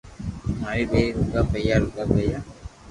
ماري ٻئير روگا پيئا روگا ئيئا